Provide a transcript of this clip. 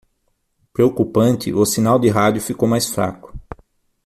Preocupante, o sinal de rádio ficou mais fraco.